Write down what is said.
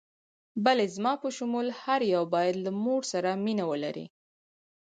بلې، زما په شمول هر یو باید له مور سره مینه ولري.